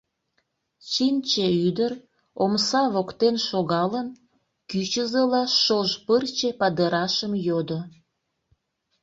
Чинче ӱдыр, омса воктен шогалын, кӱчызыла шож пырче падырашым йодо.